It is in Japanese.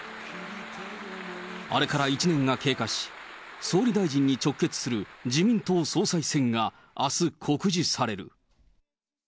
あれから１年が経過し、総理大臣に直結する自民党総裁選があす告示される。